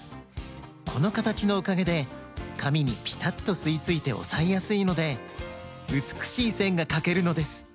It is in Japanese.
このかたちのおかげでかみにピタッとすいついておさえやすいのでうつくしいせんがかけるのです。